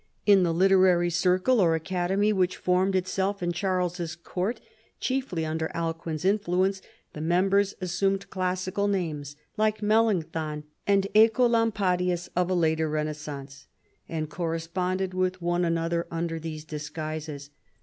In the literary circle or acad emy which formed itself in Charles's court, chiefly under Alcuin's influence, the members assumed classical names (like the Melancthon and (Ecolam padius* of a later Renascence), and corresponded with one another under these disguises.